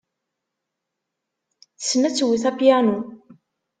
Tessen ad twet apyanu.